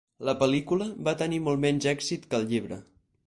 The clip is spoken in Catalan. La pel·lícula va tenir molt menys èxit que el llibre.